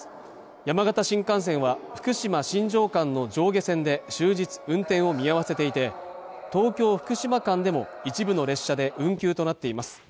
山形新幹線は福島ー新庄間の上下線で終日運転を見合わせていて東京ー福島間でも一部の列車で運休となっています